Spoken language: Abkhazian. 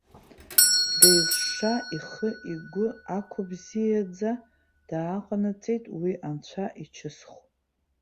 Деилшша, ихы игәы ақәыбзиаӡа дааҟанаҵеит уи анцәа ичысхә.